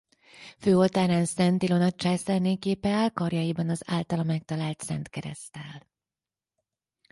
Főoltárán Szent Ilona császárné képe áll karjaiban az általa megtalált szent kereszttel.